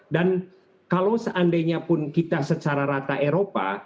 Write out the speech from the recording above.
dan kalau seandainya pun kita secara rata eropa